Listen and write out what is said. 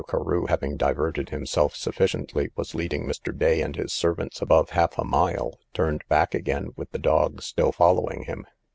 Carew having diverted himself sufficiently, by leading Mr. Day and his servants above half a mile, turned back again, with the dog still following him.